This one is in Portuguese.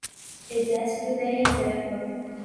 exército de reserva